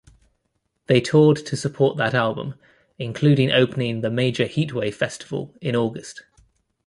They toured to support that album, including opening the major Heatwave festival in August.